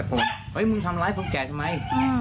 มันก็จะโกรธเฮ้ยมึงทำร้ายผมแก่ทำไม